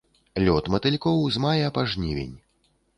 Лёт матылькоў з мая па жнівень.